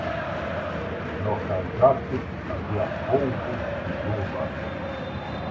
No cardápio, havia polvo e lula.